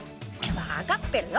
わかってるよ。